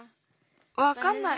わかんない。